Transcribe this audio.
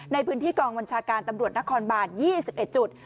ในพื้นที่กองวัญชาการตำรวจนครบาลยี่สิบเอ็ดจุด